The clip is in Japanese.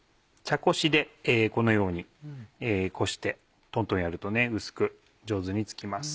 茶こしでこのようにこしてトントンやるとね薄く上手に付きます。